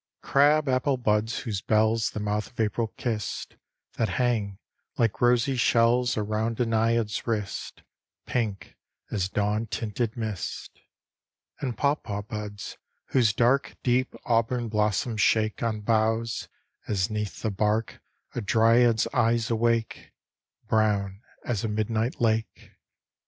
Crab apple buds, whose bells The mouth of April kissed; That hang, like rosy shells Around a naiad's wrist, Pink as dawn tinted mist. And paw paw buds, whose dark Deep auburn blossoms shake On boughs, as 'neath the bark A dryad's eyes awake, Brown as a midnight lake.